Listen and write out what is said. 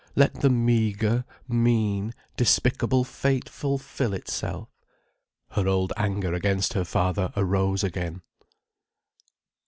"Let the meagre, mean, despicable fate fulfil itself." Her old anger against her father arose again.